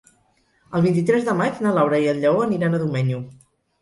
El vint-i-tres de maig na Laura i en Lleó aniran a Domenyo.